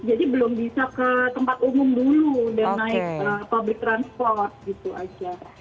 jadi belum bisa ke tempat umum dulu dan naik pabrik transport gitu saja